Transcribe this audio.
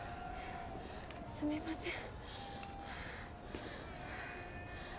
すみません。